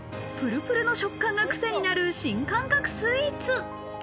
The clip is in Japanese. プルプルの食感がクセになる新感覚スイーツ。